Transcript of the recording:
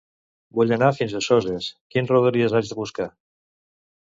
Vull anar fins a Soses; quin Rodalies haig de buscar?